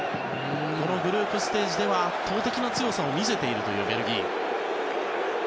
グループステージでは圧倒的な強さを見せているベルギー。